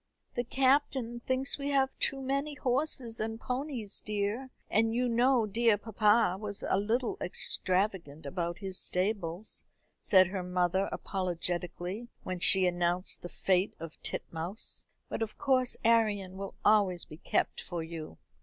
"The Captain thinks we have too many horses and ponies, dear; and you know dear papa was a little extravagant about his stables," said her mother apologetically, when she announced the fate of Titmouse; "but of course Arion will always be kept for you."